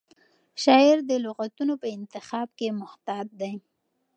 شاعر د لغتونو په انتخاب کې محتاط دی.